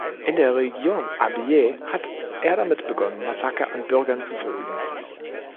In der Region Abyei hat er damit begonnen, Massaker an Bürgern zu verüben.